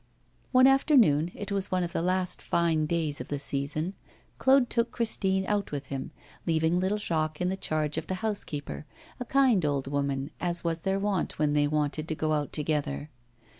One afternoon it was one of the last fine days of the season Claude took Christine out with him, leaving little Jacques in the charge of the doorkeeper, a kind old woman, as was their wont when they wanted to go out together.